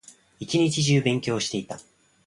一日中勉強していた